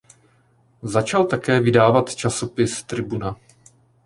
Začal také vydávat časopis Tribuna.